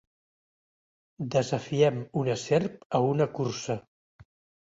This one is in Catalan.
Desafiem una serp a una cursa.